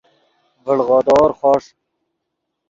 ڤڑغودور خوݰ